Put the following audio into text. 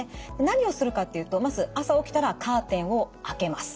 何をするかっていうとまず朝起きたらカーテンをあけます。